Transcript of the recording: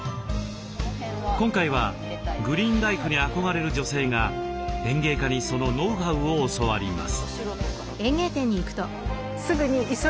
今回はグリーンライフに憧れる女性が園芸家にそのノウハウを教わります。